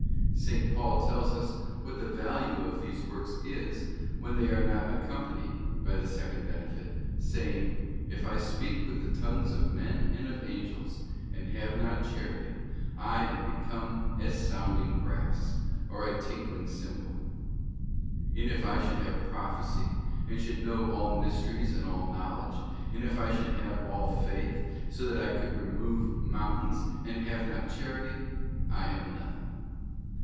S. Paul tells us what the value of these works is, when they are not accompanied by the second benefit, saying: ' If I speak with the tongues of men and of angels, and have not Charity, I am become as sounding brass, or a tinkling cymbal. And if I should have prophecy, and should know all mysteries and all knowledge, and if I should have all faith, so that I could remove mountains, and have not Charity, I am nothing.